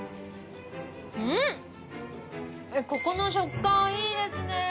ここの食感いいですね。